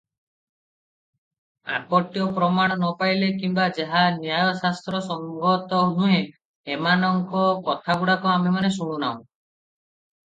ଆକଟ୍ୟ ପ୍ରମାଣ ନ ପାଇଲେ କିମ୍ବା ଯାହା ନ୍ୟାୟଶାସ୍ତ୍ରସଙ୍ଗତ ନୁହେଁ, ଏମାନଙ୍କ କଥାଗୁଡାକ ଆମ୍ଭେମାନେ ଶୁଣୁନାହୁଁ ।